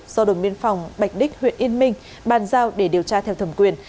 do đồng biên phòng bạch đích huyện yên minh bàn giao để điều tra theo thẩm quyền